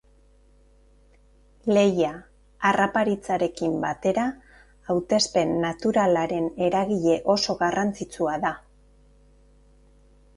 Lehia, harraparitzarekin batera, hautespen naturalaren eragile oso garrantzitsua da.